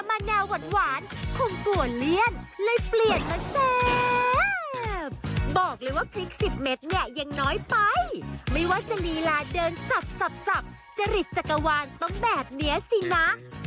หุ้ยหุ่นองค์ทรงเอวไม่ธรรมดาก็อาจารยาไงจ๊ะ